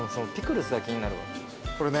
これね。